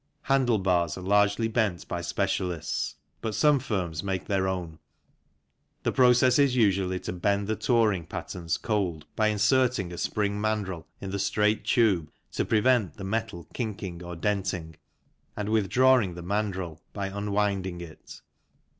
Handle bars are largely bent by specialists, but some firms make their own. The process is usually to bend the touring patterns cold by inserting a spring mandrel in the straight tube, to prevent the metal kinking or denting, and withdrawing the mandrel by unwinding it.